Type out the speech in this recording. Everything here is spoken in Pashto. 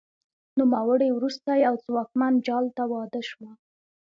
نوموړې وروسته یوه ځواکمن جال ته واده شوه